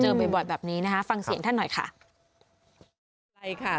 เจอบริบัตรแบบนี้นะฮะฟังเสียงท่านหน่อยค่ะ